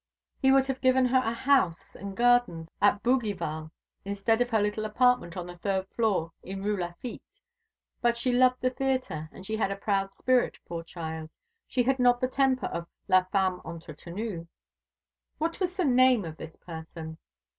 He would have given her a house and gardens at Bougival instead of her little apartment on a third floor in the Rue Lafitte; but she loved the theatre, and she had a proud spirit, poor child she had not the temper of la femme entretenue." "What was the name of this person?"